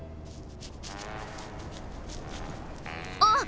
あっ！